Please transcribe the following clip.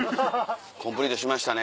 コンプリートしましたね。